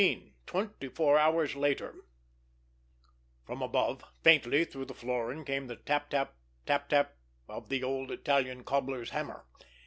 XVI—TWENTY FOUR HOURS LATER From above, faintly, through the flooring, came the tap tap, tap tap of the old Italian cobbler's hammer.